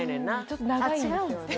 ちょっと長いんですよね